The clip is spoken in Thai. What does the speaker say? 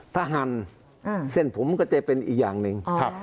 ถ้าหั่นเส้นผมก็จะเป็นอีกอย่างหนึ่ง